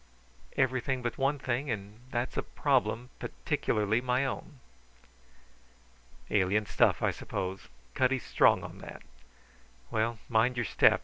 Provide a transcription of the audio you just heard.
"Everything but one thing, and that's a problem particularly my own." "Alien stuff, I suppose. Cutty's strong on that. Well, mind your step.